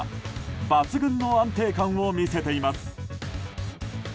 抜群の安定感を見せています。